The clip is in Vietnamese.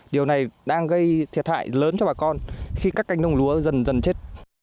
điều này đang gây thiệt hại lớn cho bà con khi các cánh đồng lúa dần dần chết